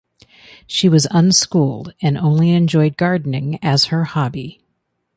She was unschooled and only enjoyed gardening as her hobby.